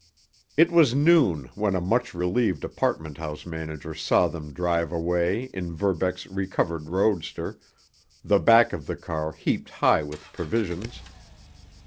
It was noon when a much relieved apartment house manager saw them drive away in Verbeck's recovered roadster, the back of the car heaped high with provisions.